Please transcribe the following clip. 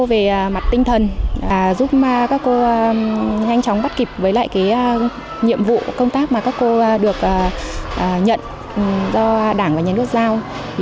giúp đỡ các cô về mặt tinh thần giúp các cô nhanh chóng bắt kịp với lại cái nhiệm vụ công tác mà các cô được nhận do đảng và nhà nước giao